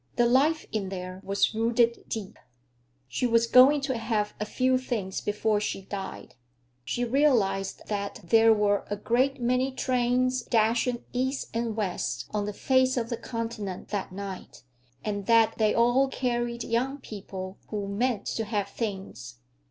The life in there was rooted deep. She was going to have a few things before she died. She realized that there were a great many trains dashing east and west on the face of the continent that night, and that they all carried young people who meant to have things.